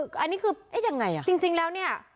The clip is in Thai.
อันนี้คือเอ๊ะยังไงอ่ะจริงแล้วเนี่ย